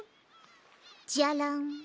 ジャラン。